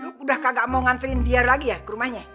udah kagak mau ngantriin dia lagi ya ke rumahnya